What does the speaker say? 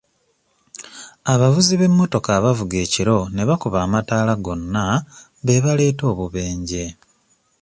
Abavuzi b'emmotoka abavuga ekiro ne bakuba amatala gonna beebaleeta obubenje.